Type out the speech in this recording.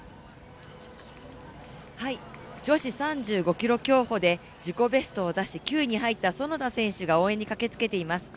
女子３５ｋｍ競歩で自己ベストを出し９位に入った園田選手が応援に駆けつけています。